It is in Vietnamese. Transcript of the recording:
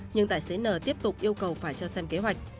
nhưng tài xế n tiếp tục yêu cầu phải cho xem kế hoạch